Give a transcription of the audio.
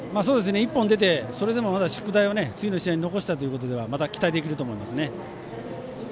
１本出てそれでもまだ宿題を次の試合に残したということではまた期待できると思いますね。